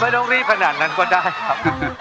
ไม่ต้องรีบขนาดนั้นกว่าได้ครับ